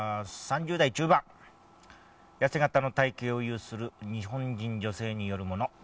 痩せ型の体形を有する日本人女性によるもの。